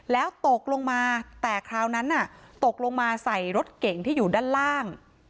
แล้วตกลงมาแต่คราวนั้นตกลงมาใส่รถเก่งที่อยู่ด้านล่าง